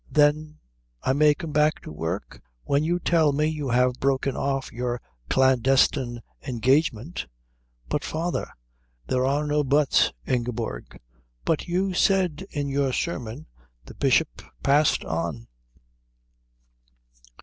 "Then I may come back to work?" "When you tell me you have broken off your clandestine engagement." "But father " "There are no buts, Ingeborg." "But you said in your sermon " The Bishop passed on.